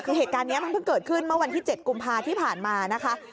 คือเหตุการณ์นี้มันเพิ่งเกิดขึ้นเมื่อวันที่๗กุมภาที่ผ่านมานะคะ